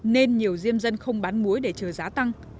nên nhiều diêm dân không bán muối để chờ giá tăng